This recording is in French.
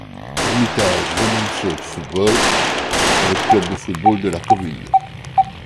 L'Hermitage Venansault Football est le club de football de la commune.